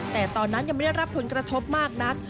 แต่ตอนนั้นยังไม่ได้รับผลกระทบมากนัก